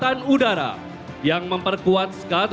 kita berikan tepuk tangan